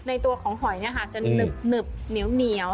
ในตัวของหอยนะค่ะจะหนึบเหนียวเหนียว